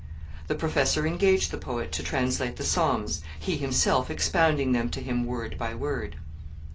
The professor engaged the poet to translate the Psalms, he himself expounding them to him word by word.